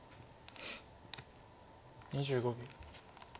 ２５秒。